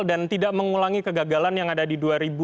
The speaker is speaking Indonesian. dan tidak mengulangi kegagalan yang ada di dua ribu tujuh belas